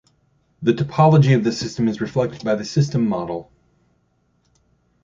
The topology of the system is reflected by the "system model".